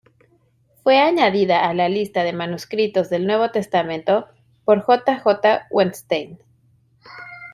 Fue añadida a la lista de manuscritos del Nuevo Testamento por J. J. Wettstein.